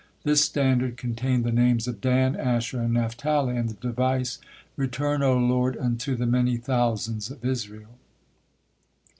This standard contained the names of Dan, Asher, and Naphtali, and the device: "Return, O Lord, unto the many thousands of Israel."